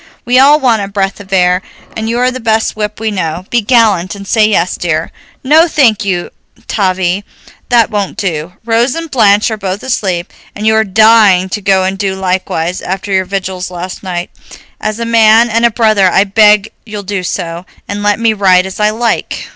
We all want a breath of air, and you are the best whip we know. Be gallant and say yes, dear." "No, thank you, Tavie, that won't do. Rose and Blanche are both asleep, and you are dying to go and do likewise, after your vigils last night. As a man and a brother I beg you'll do so, and let me ride as I like."